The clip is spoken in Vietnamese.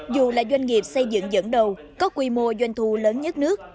dù là doanh nghiệp xây dựng dẫn đầu có quy mô doanh thu lớn nhất nước